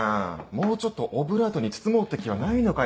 もうちょっとオブラートに包もうって気はないのかよ？